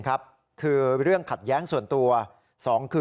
ผลการเลือกตั้งอบตนตภ